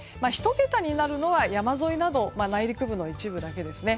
１桁になるのは山沿いなど内陸部の一部だけです。